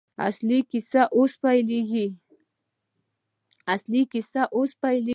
اصلي کیسه اوس پیلېږي.